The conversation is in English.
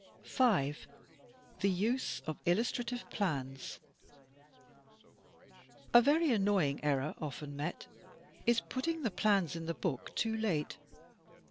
5. The Use oj Illustrative Flans A very annoying error often met, is putting the plans in the book too late.